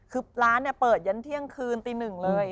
คือร้านเปิดยันเที่ยงคืนตีหนึ่งเลย